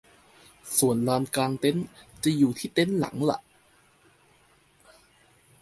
ส่วนลานกางเต็นท์จะอยู่ที่เต็นท์หลังละ